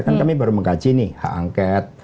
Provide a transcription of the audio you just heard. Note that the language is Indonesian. kan kami baru mengkaji nih hak angket